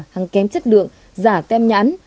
hàng kém chất lượng giả tem nhãn